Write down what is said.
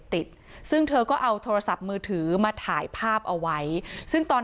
ติดซึ่งเธอก็เอาโทรศัพท์มือถือมาถ่ายภาพเอาไว้ซึ่งตอน